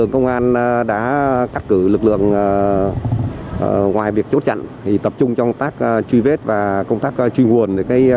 công an đã cắt cử lực lượng ngoài việc chốt chặn tập trung trong công tác truy vết và công tác truy nguồn